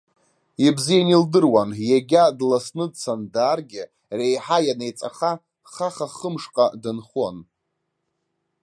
Ибзианы илдыруан, егьа дласны дцаны, дааргьы, реиҳа ианеиҵаха, хаха-хымшҟа дынхон.